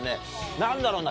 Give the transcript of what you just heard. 何だろうな？